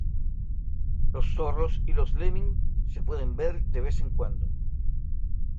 Los zorros y los lemmings se pueden ver de vez en cuando.